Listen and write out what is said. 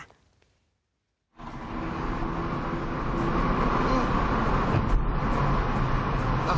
อะไรอ่ะ